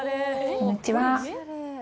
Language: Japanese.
こんにちは。